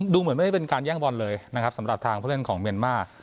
เหมือนไม่ได้เป็นการแย่งบอลเลยนะครับสำหรับทางผู้เล่นของเมียนมาร์